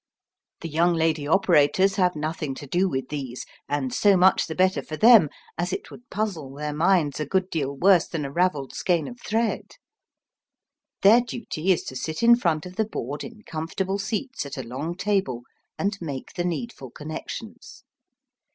The young lady operators have nothing to do with these, and so much the better for them, as it would puzzle their minds a good deal worse than a ravelled skein of thread. Their duty is to sit in front of the board in comfortable seats at a long table and make the needful connections.